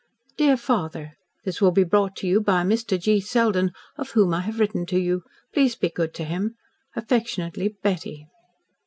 "DEAR FATHER: This will be brought to you by Mr. G. Selden, of whom I have written to you. Please be good to him. "Affectionately, "BETTY."